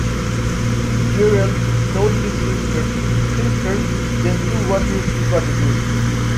Gerald told his sister, Sister, just do what you've gotta do.